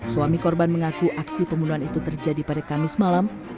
suami korban mengaku aksi pembunuhan itu terjadi pada kamis malam